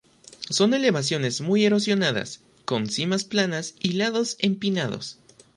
Son elevaciones muy erosionadas, con cimas planas y lados empinados.